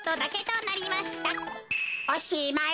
おしまい。